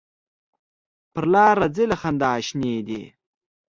پر لار ځي له خندا شینې دي.